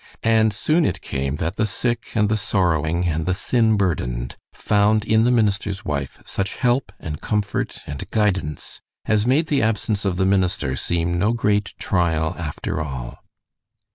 And soon it came that the sick and the sorrowing and the sin burdened found in the minister's wife such help and comfort and guidance as made the absence of the minister seem no great trial after all.